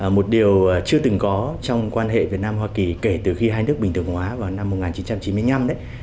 một điều chưa từng có trong quan hệ việt nam hoa kỳ kể từ khi hai nước bình thường hóa vào năm một nghìn chín trăm chín mươi năm đấy